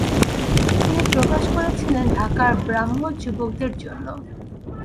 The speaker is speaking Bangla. তিনি প্রকাশ করেছিলেন ঢাকার ব্রাহ্মযুবকদের জন্য।